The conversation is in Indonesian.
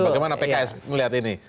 bagaimana pks melihat ini